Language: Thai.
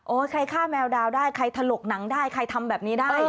ใครฆ่าแมวดาวได้ใครถลกหนังได้ใครทำแบบนี้ได้